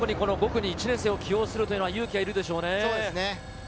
５区に１年生を起用するのは勇気がいるでしょう。